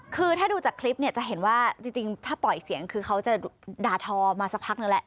คือถ้าดูจากคลิปเนี่ยจะเห็นว่าจริงถ้าปล่อยเสียงคือเขาจะด่าทอมาสักพักนึงแหละ